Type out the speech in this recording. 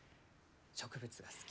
植物が好き。